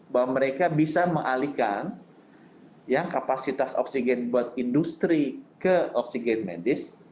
bahwa mereka bisa mengalihkan kapasitas oksigen buat industri ke oksigen medis